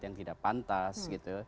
yang tidak pantas